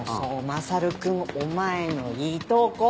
マサル君お前のいとこ。